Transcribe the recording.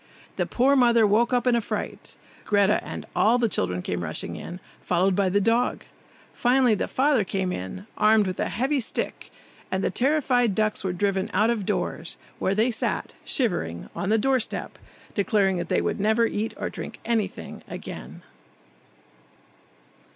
The poor mother woke up in a fright; Greta and all the children came rushing in, followed by the dog; finally the father came, armed with a heavy stick, and the terrified ducks were driven out of doors, where they sat, shivering, on the doorstep, declaring that they would never eat or drink anything again.